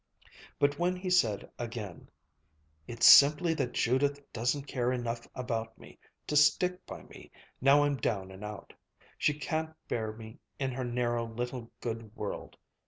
But when he said again, "It's simply that Judith doesn't care enough about me to stick by me, now I'm down and out. She can't bear me in her narrow little good world!"